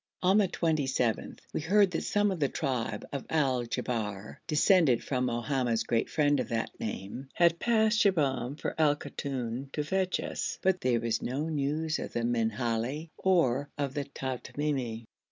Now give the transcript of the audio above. On the 27th we heard that some of the tribe of Al Jabber, descended from Mohammed's great friend of that name, had passed Shibahm for Al Koton to fetch us, but there was no news of the Minhali or of the Tamimi.